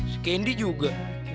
si candy juga